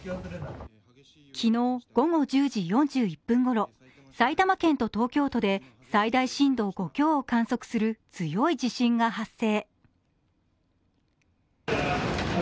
昨日午後１０時４１分ごろ、埼玉県と東京都で最大震度５強を観測する強い地震が発生。